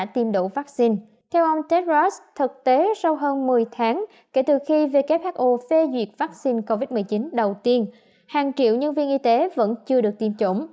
theo ông tedrost thực tế sau hơn một mươi tháng kể từ khi who phê duyệt vaccine covid một mươi chín đầu tiên hàng triệu nhân viên y tế vẫn chưa được tiêm chủng